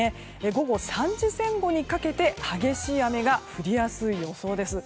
午後３時前後にかけて激しい雨が降りやすい予想です。